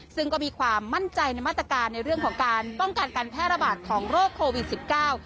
ซึ่งก็มีความมั่นใจในมาตรการในเรื่องของการป้องกันการแพร่ระบาดของโรคโควิดสิบเก้า